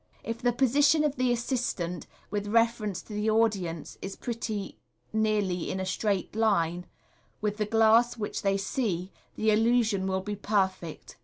If the position of the assistant, with reference to the audience, is pretty nearly in a straight line with the glass which they see, the illusion will be perfect.